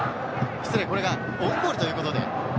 失礼、これはオウンゴールということです。